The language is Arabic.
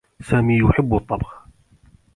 سامي يحبّ الطّبخ.